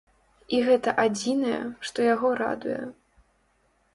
І гэта адзінае, што яго радуе.